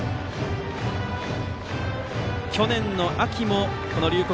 去年の秋もこの龍谷